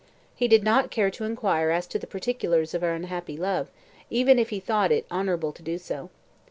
He did not care to inquire as to the particulars of her unhappy love, even if he had thought it honourable to do so.